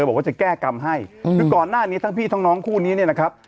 บอกว่าจะแก้กรรมให้คือก่อนหน้านี้ทั้งพี่ทั้งน้องคู่นี้เนี่ยนะครับ